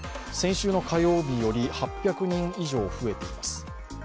先週の火曜日より８００人以上増えています。